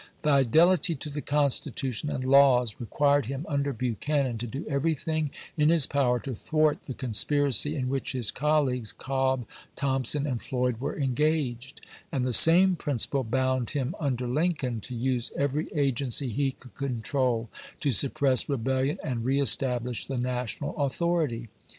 " Fidelity to the Constitution and laws " required him under Buchanan to do everything in his power to thwart the conspiracy in which his colleagues Cobb, Thompson, and Floyd were engaged ; and the same principle bound him under Lincoln to use every agency he could control to suppress rebellion and reestablish the national authority.